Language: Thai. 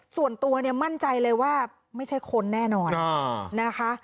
ส่วนตัวเนี่ยมั่นใจเลยว่าไม่ใช่คนแน่นอนนะคะ